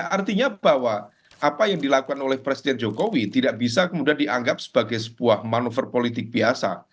artinya bahwa apa yang dilakukan oleh presiden jokowi tidak bisa kemudian dianggap sebagai sebuah manuver politik biasa